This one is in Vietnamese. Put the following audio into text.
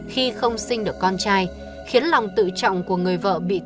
khi không sinh được con trai khiến lòng tự vệ giết người bột phát